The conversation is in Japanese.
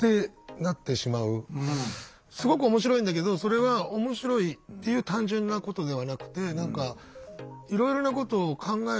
すごく面白いんだけどそれは面白いっていう単純なことではなくて何かいろいろなことを考える面白さ。